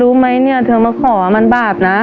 รู้ไหมเนี่ยเธอมาขอมันบาปนะ